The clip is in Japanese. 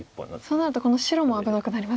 そうなるとこの白も危なくなりますね。